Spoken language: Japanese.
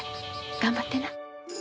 頑張ってな。